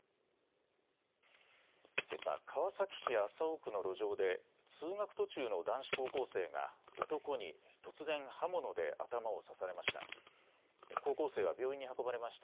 けさ川崎市麻生区の路上で通学途中の男子高校生が男に突然刃物で頭を刺されました。